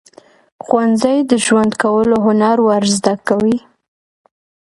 ښوونځی د ژوند کولو هنر ورزده کوي.